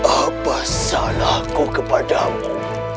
apa salahku kepadamu